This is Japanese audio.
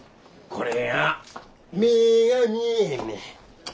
これがな目ぇが見えへんねん。